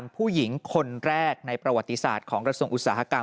สร้างประวัติศาสตร์เช่นเดียวกันครับเป็นรัฐมนตรีว่าการกระทรวงอุตสาหกรรม